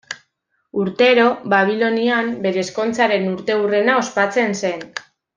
Urtero, Babilonian, bere ezkontzaren urteurrena ospatzen zen.